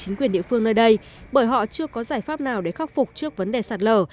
chính quyền địa phương nơi đây bởi họ chưa có giải pháp nào để khắc phục trước vấn đề sạt lở